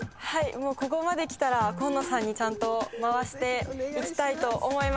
もうここまできたら紺野さんにちゃんと回していきたいと思います。